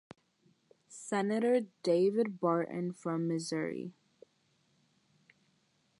Senator David Barton from Missouri.